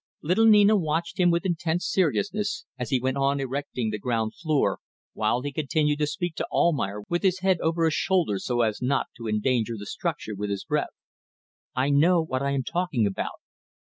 Little Nina watched him with intense seriousness as he went on erecting the ground floor, while he continued to speak to Almayer with his head over his shoulder so as not to endanger the structure with his breath. "I know what I am talking about.